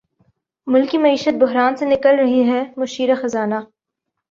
ملک کی معیشت بحران سے نکل رہی ہے مشیر خزانہ